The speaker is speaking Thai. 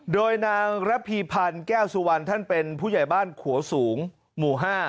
โดยนางระพีพันธ์แก้วสุวรรณท่านเป็นผู้ใหญ่บ้านขัวสูงหมู่๕